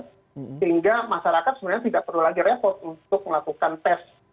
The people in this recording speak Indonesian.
sehingga masyarakat sebenarnya tidak perlu lagi repot untuk melakukan tes